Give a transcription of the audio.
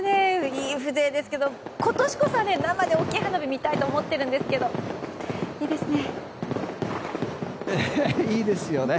いい風情ですけど今年こそは生で大きい花火見たいと思ってるんですけどいいですね。